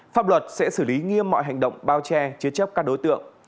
pháp luật sẽ xử lý nghiêm mọi hành động bao che chế chấp các đối tượng